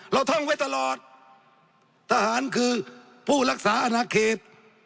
ท่องไว้ตลอดทหารคือผู้รักษาอนาเขต